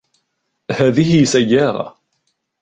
هذه سيارة.